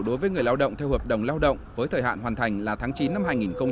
đối với người lao động theo hợp đồng lao động với thời hạn hoàn thành là tháng chín năm hai nghìn hai mươi